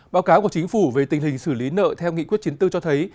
báo cáo của chính phủ về tình hình xử lý nợ theo nghị quyết chiến tư cho thấy